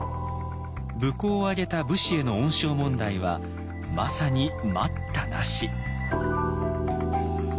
武功を挙げた武士への恩賞問題はまさに待ったなし。